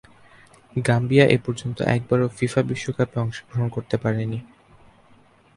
Gambia এপর্যন্ত একবারও FIFA বিশ্বকাপে অংশগ্রহণ করতে পারেনি।